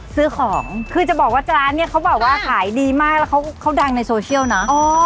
ซื้อของคือจะบอกว่าร้านเนี่ยเขาบอกว่าขายดีมากแล้วเขาดังในโซเชียลนะ